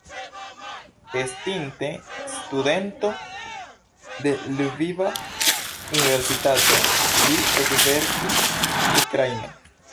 Estinte studento de Lviva Universitato li ekverkis ukraine.